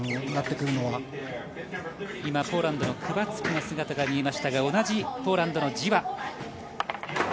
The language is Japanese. ポーランドのクバツキの姿が見ましたが同じポーランドのジワ。